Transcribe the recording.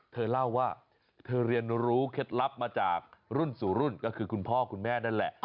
เธอเล่าว่าเธอเรียนรู้เคล็ดลับมาจากรุ่นสู่รุ่นก็คือคุณพ่อคุณแม่นั่นแหละ